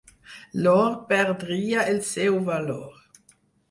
L'or perdria el seu valor.